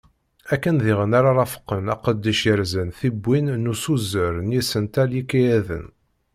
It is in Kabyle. Akken diɣen ara rafqen aqeddic yerzan tiwwin d usuzer n yisental n yikayaden.